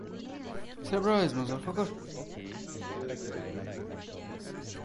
He could not overcome violent nausea at sea and resigned.